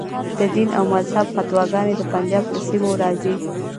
د دین او مذهب فتواګانې د پنجاب له سیمو راځي.